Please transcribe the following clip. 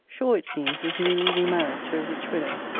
Shaw it seems is newly re married to a rich widow.